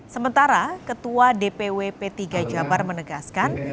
sementara ketua dpw p tiga jabar menegaskan